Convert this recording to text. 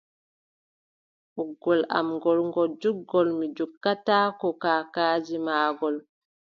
Ɓoggol am ngool, ngol juutngol, Mi jokkataako kaakaadi maagol.